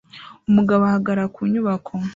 Umugabo ahagarara ku nyubako